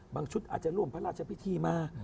ชุดอาจจะร่วมพระราชพิธีมา